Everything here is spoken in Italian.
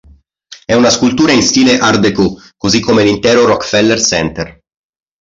È una scultura in stile Art déco, così come l'intero Rockefeller Center.